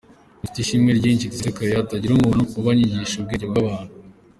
Mufite ishimwe ryinshi risesekaye hatagira umuntu ubanyagisha ubwenge bw’abantu